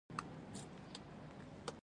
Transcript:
خرما د سترګو لید ښه کوي.